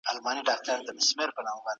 ایا واړه پلورونکي جلغوزي ساتي؟